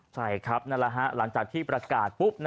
ใช่ครับหลังจากที่ประกาศปุ๊บ